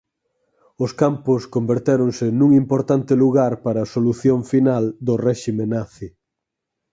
Os campos convertéronse nun importante lugar para a Solución final do réxime nazi.